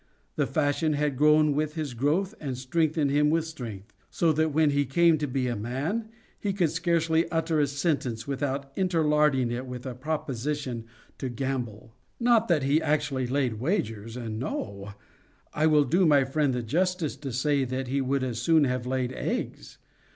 The fashion had "grown with his growth and strengthened with his strength," so that, when he came to be a man, he could scarcely utter a sentence without interlarding it with a proposition to gamble. Not that he actually laid wagers—no. I will do my friend the justice to say that he would as soon have laid eggs.